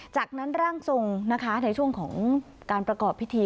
จากนั้นร่างทรงนะคะในช่วงของการประกอบพิธี